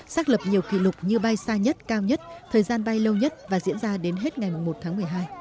xác lập nhiều kỷ lục như bay xa nhất cao nhất thời gian bay lâu nhất và diễn ra đến hết ngày một tháng một mươi hai